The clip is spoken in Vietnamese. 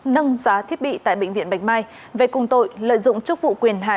nâng giá thiết bị tại bệnh viện bạch mai về cùng tội lợi dụng chức vụ quyền hạn